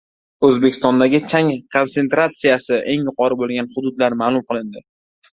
O‘zbekistondagi chang konsentratsiyasi eng yuqori bo‘lgan hududlar ma’lum qilindi